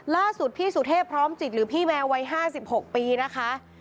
ล่าสุดพี่สุเทพพร้อมจิตหรือพี่แมววัย๕๖ปีนะคะ